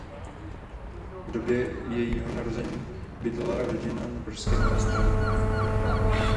V době jejího narození bydlela rodina na pražské Malé Straně.